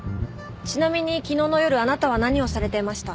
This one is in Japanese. ちなみに昨日の夜あなたは何をされていました？